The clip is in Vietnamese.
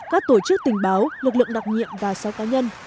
các tổ chức tình báo lực lượng đặc nhiệm và sáu cá nhân